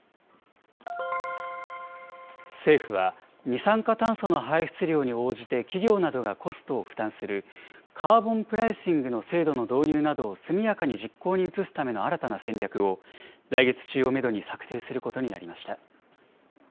政府は、二酸化炭素の排出量に応じて企業などがコストを負担するカーボンプライシングの制度の導入などを速やかに実行に移すための新たな戦略を、来月中をメドに策定することになりました。